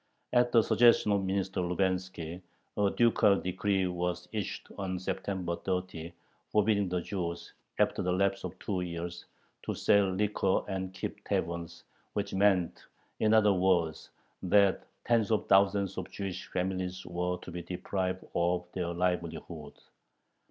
At the suggestion of Minister Lubenski, a ducal decree was issued on September 30 forbidding the Jews, after the lapse of two years, to sell liquor and keep taverns, which meant, in other words, that tens of thousands of Jewish families were to be deprived of their livelihood.